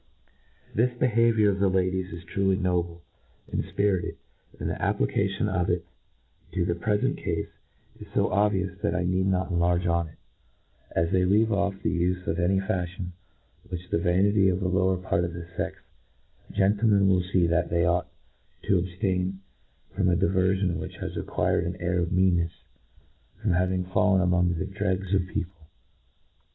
This behaviour of the ladies is truly noble and fpirited ; and the application of it to the prefent cafe is fo obvious, that I need not enlarge on it. As INTRODUCTION. 49 As they leave cjflF the ufc of any falhion which the vanity of the lowef part df the fcx has inva tied, gentlemen will fee, that they ought to ab ftain from a diverfion which has acquired an jur of mcannefs from having fallen among the dregs of the people.